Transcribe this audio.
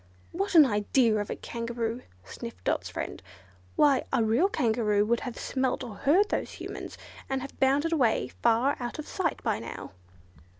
"What an idea of a Kangaroo!" sniffed Dot's friend, "why, a real Kangaroo would have smelt or heard those Humans, and have bounded away far out of sight by now."